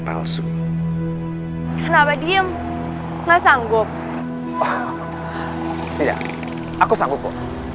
para buatan siapa